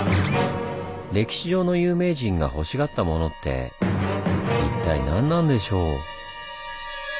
歴史上の有名人がほしがったモノって一体何なんでしょう？